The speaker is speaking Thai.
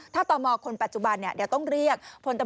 ถ้าต่อมอคนปัจจุบันจะต้องเรียก